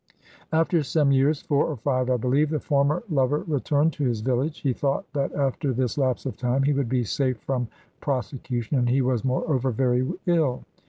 After some years, four or five, I believe, the former lover returned to his village. He thought that after this lapse of time he would be safe from prosecution, and he was, moreover, very ill.